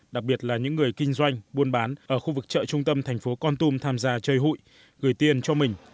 đặc biệt là những người kinh doanh buôn bán ở khu vực chợ trung tâm thành phố con tum tham gia chơi hụi gửi tiền cho mình